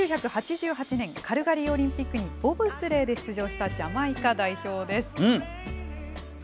１９８８年カルガリーオリンピックにボブスレーで出場したジャマイカ代表です。